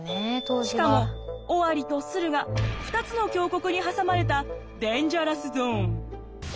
しかも尾張と駿河２つの強国に挟まれたデンジャラスゾーン。